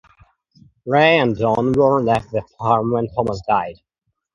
Ray and Don were left the farm when Thomas died.